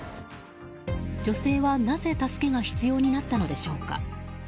女性はなぜ助けが必要になったのでしょうか。